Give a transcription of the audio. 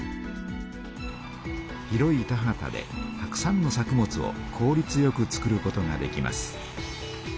広い田畑でたくさんの作物をこうりつよく作ることができます。